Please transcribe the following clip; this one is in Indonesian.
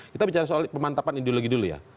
kita bicara soal pemantapan ideologi dulu ya